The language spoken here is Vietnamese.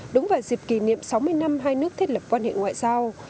đúng vào dịp kỷ niệm sáu mươi năm hai nước thiết lập quan hệ ngoại giao